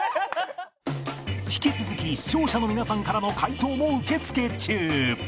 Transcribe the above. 引き続き視聴者の皆さんからの解答も受け付け中